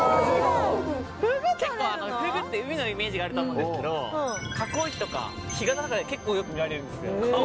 フグ捕れるの？があると思うんですけど河口域とか干潟とかで結構よく見られるんですよ。